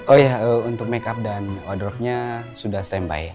oh iya untuk make up dan outdoornya sudah standby